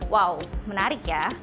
wow menarik ya